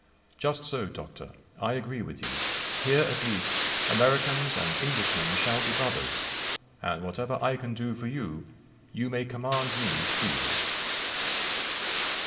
Just so, Doctor; I agree with you. Here at least, Americans and Englishmen shall be brothers, and, whatever I can do for you, you may command me freely."